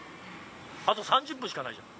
あと３０分しかないじゃん。